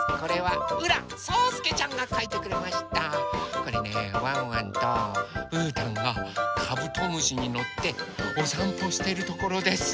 これねワンワンとうーたんがカブトムシにのっておさんぽしてるところです。